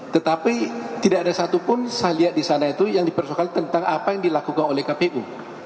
tetapi tidak ada satupun saya lihat di sana itu yang dipersoalkan tentang apa yang dilakukan oleh kpu